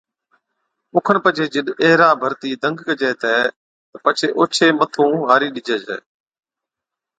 او کن پڇي جِڏ ايهرا ڀرتِي دنگ ڪجَي ڇَي تِڏ اوڇي مٿُون هارِي ڏِجَي ڇَي